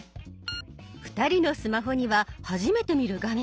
２人のスマホには初めて見る画面。